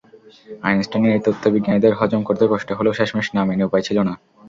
আইনস্টাইনের এই তত্ত্ব বিজ্ঞানীদের হজম করতে কষ্ট হলেও শেষমেশ না মেনে উপায় ছিল না।